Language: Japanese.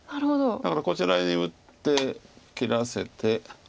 だからこちらへ打って切らせて。